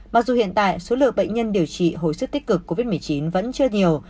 mặc dù hiện tại số lượng bệnh nhân điều trị hồi sức tích cực covid một mươi chín vẫn chưa nhiều